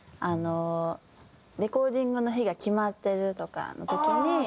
あのレコーディングの日が決まってるとかの時に。